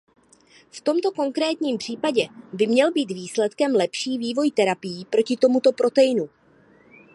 V tomto konkrétním případě by měl být výsledkem lepší vývoj terapií proti tomuto proteinu.